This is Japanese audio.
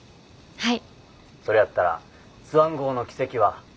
はい。